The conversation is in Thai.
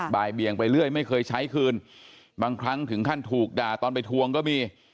บ่ายเบี่ยงไปเรื่อยไม่เคยใช้คืนบางครั้งถึงขั้นถูกด่าตอนไปทวงก็มี